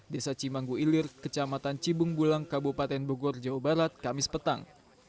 desa cimanggu ilir kecamatan cibung bulang kabupaten bogor jawa barat kamis petang